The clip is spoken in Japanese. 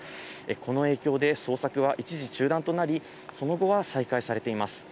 この影響で捜索は一時中断となり、その後は再開されています。